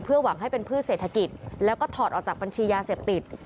หวังให้เป็นพืชเศรษฐกิจแล้วก็ถอดออกจากบัญชียาเสพติด